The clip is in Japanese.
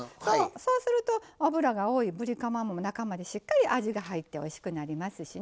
そうすると脂が多いぶりカマも中までしっかり味が入っておいしくなりますしね。